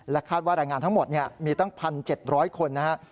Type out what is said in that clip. คาดว่าแรงงานทั้งหมดมีตั้ง๑๗๐๐คนนะครับ